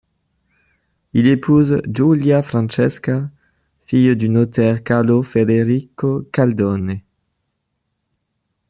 Il épouse Giulia Francesca, fille du notaire Carlo Federico Galdone.